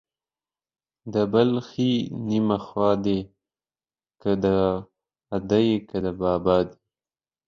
د بل ښې نيمه خوا دي ، که د ادې که د بابا دي.